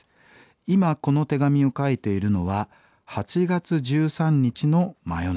今この手紙を書いているのは８月１３日の真夜中です。